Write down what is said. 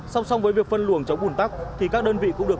song song với việc phân luồng chống ủn tắc thì các đơn vị cũng được